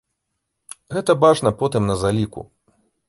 Гэта бачна потым на заліку.